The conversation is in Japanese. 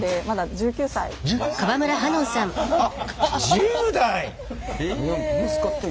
１０代！？